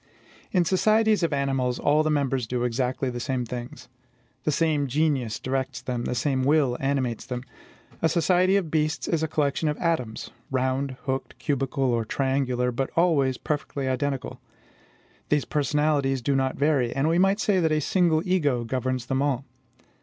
In societies of animals, all the members do exactly the same things. The same genius directs them; the same will animates them. A society of beasts is a collection of atoms, round, hooked, cubical, or triangular, but always perfectly identical. These personalities do not vary, and we might say that a single ego governs them all.